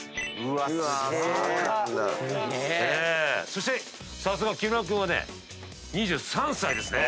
そしてさすが木村君はね２３歳ですね。